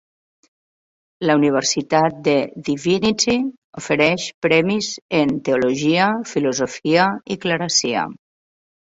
La Universitat de Divinity ofereix premis en teologia, filosofia i clerecia.